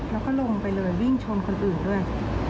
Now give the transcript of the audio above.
แล้วก็ลงไปเลยวิ่งชนคนอื่นด้วย